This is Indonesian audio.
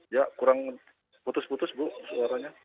ya kurang putus putus bu suaranya